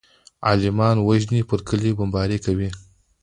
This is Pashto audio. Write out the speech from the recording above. عالمان وژني پر کليو بمبارۍ کوي.